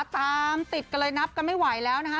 ตามติดกันเลยนับกันไม่ไหวแล้วนะคะ